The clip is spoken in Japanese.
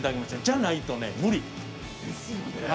じゃないとね無理。ですよね。